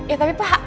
ya tapi pak